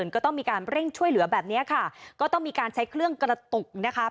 ก็ต้องมีการเร่งช่วยเหลือแบบนี้ค่ะก็ต้องมีการใช้เครื่องกระตุกนะคะ